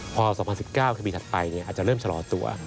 พอ๒๐๑๙คดีถัดไปอาจจะเริ่มชะลอตัว